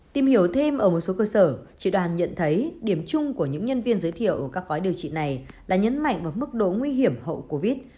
tìm hiểu thêm ở một số cơ sở chị đoàn nhận thấy điểm chung của những nhân viên giới thiệu ở các gói điều trị này là nhấn mạnh vào mức độ nguy hiểm hậu covid